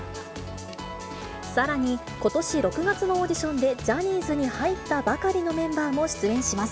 さらに、ことし６月のオーディションでジャニーズに入ったばかりのメンバーも出演します。